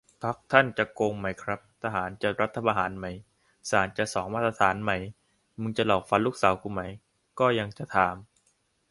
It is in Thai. พรรคท่านจะโกงไหมครับ ทหารจะรัฐประหารไหม ศาลจะสองมาตรฐานไหม มึงจะหลอกฟันลูกสาวกูไหม ก็ยังจะถาม